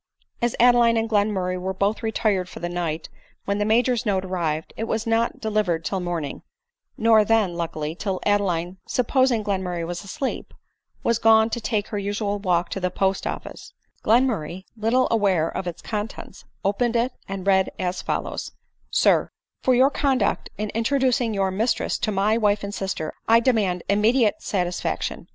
As Adeline and Glenmurray were both retired for the night when the major's note arrived, it was not delivered till morning — nor then, luckily, till Adeline, supposing Glenmurray asleep, was gone to take her usual walk to the post office ; Glenmurray* little aware of its contents, opened it, and read as follows ;" SIB, " For your conduct in introducing your mistress to my wife and sister, I demand immediate satisfaction.